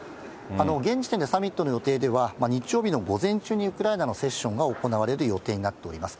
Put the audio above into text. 現時点でサミットの予定では、日曜日の午前中にウクライナのセッションが行われる予定になっております。